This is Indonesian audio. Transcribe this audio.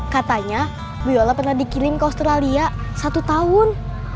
katanya bu yola pernah dikirim ke australia satu tahun